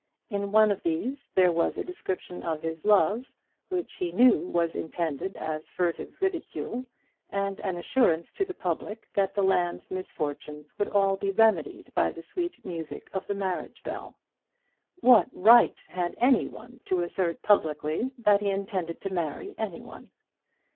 In one of these there was a description of his love, which he knew was intended as furtive ridicule, and an assurance to the public that the lamb's misfortunes would all be remedied by the sweet music of the marriage bell. What right had any one to assert publicly that he intended to marry any one?